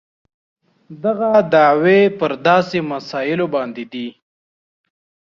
دغه دعوې پر داسې مسایلو باندې دي.